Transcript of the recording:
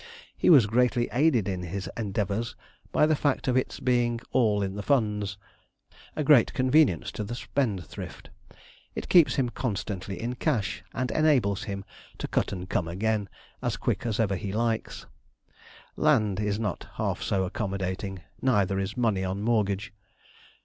He was greatly aided in his endeavours by the fact of its being all in the funds a great convenience to the spendthrift. It keeps him constantly in cash, and enables him to 'cut and come again,' as quick as ever he likes. Land is not half so accommodating; neither is money on mortgage.